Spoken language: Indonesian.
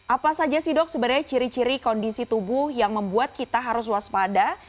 apa saja sih dok sebenarnya ciri ciri kondisi tubuh yang membuat kita harus waspada